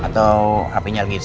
atau hpnya lagi silent